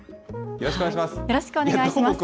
よろしくお願いします。